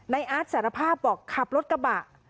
อาร์ตสารภาพบอกขับรถกระบะ